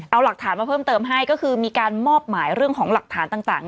เอาหลักฐานมาเพิ่มเติมให้ก็คือมีการมอบหมายเรื่องของหลักฐานต่าง